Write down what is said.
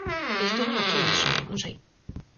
Eu teño aquí iso, non sei.